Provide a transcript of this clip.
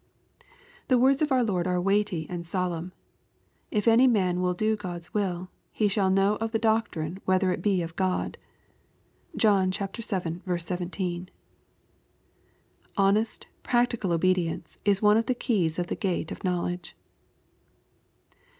The words of our Lord are weighty and solemn J " If any man will do God's will, he shall know ^ /of the doctrine whether it be of God." (John vii. l*r.) Honest, practical obedience, is one of the keys of the gate of knowledge.